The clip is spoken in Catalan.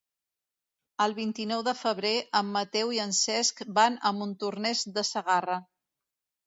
El vint-i-nou de febrer en Mateu i en Cesc van a Montornès de Segarra.